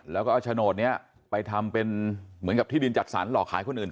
แล้วก็เอาโฉนดนี้ไปทำเป็นเหมือนกับที่ดินจัดสรรหลอกขายคนอื่น